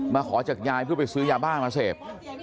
ขอจากยายเพื่อไปซื้อยาบ้ามาเสพ